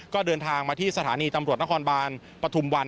ก็เดินทางมาที่สถานีตำรวจนครบานปฐุมวัน